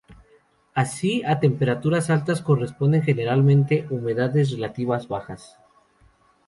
Así a temperaturas altas corresponden generalmente humedades relativas bajas.